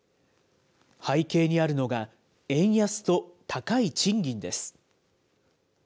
背景にあるのが、円安と高い賃金です。